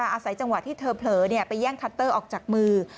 อาศัยจังหวะที่เธอเผลอไปแย่งคัตเตอร์ออกจากมือ